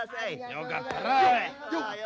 よかったなおい。